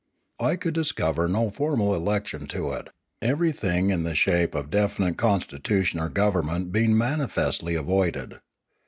I could discover no formal election to it, everything in the shape of definite constitution or government being manifestly avoided.